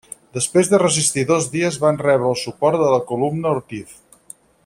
Després de resistir dos dies van rebre el suport de la columna Ortiz.